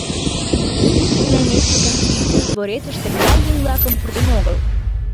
Индийский наместникын свитыже дворецыш тыглай еҥ-влакым пуртен огыл.